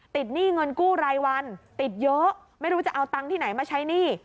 หนี้เงินกู้รายวันติดเยอะไม่รู้จะเอาตังค์ที่ไหนมาใช้หนี้